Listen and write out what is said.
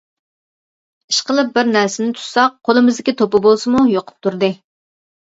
ئىشقىلىپ بىر نەرسىنى تۇتساق قولىمىزدىكى توپا بولسىمۇ يۇقۇپ تۇردى.